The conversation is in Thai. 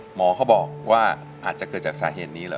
หมอเขาบอกว่าอาจจะเกิดจากสาเหตุนี้เหรอ